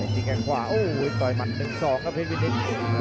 ทีมงานขวาโอ้โหต่อยมัน๑๒ครับพี่พินิศ